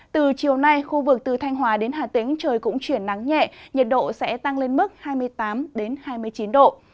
từ chiều nay khu vực từ thanh hòa đến hà tĩnh trời cũng chuyển nắng nhẹ nhiệt độ sẽ tăng lên mức hai mươi tám hai mươi chín độ